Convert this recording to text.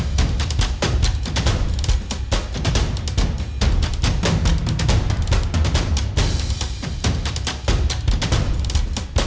siapa tau udah menjaganya